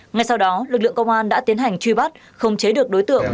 ngay sau đó lực lượng công an đã tiến hành truy bắt không chế được đối tượng